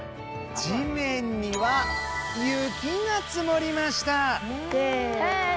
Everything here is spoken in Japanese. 地面には雪が積もりました。